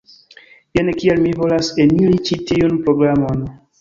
Jen kial mi volas eniri ĉi tiun programon